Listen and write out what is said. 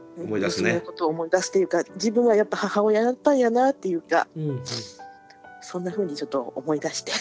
娘のことを思い出すというか自分はやっぱ母親やったんやなっていうかそんなふうにちょっと思い出して。